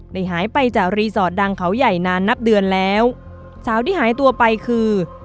ได้หายไปจากรีสอร์ทดังเขาใหญ่นานนับเดือนแล้วสาวที่หายตัวไปคือ